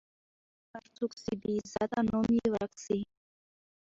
چي هر څوک سي بې عزته نوم یې ورک سي